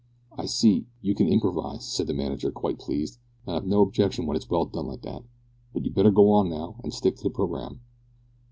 "I see, you can improvise," said the manager, quite pleased, "and I've no objection when it's well done like that; but you'd better go on now, and stick to the programme."